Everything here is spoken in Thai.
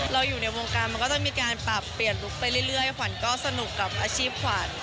เราอยู่ในวงการมันก็จะมีการปรับเปลี่ยนลุคไปเรื่อยขวัญก็สนุกกับอาชีพขวัญ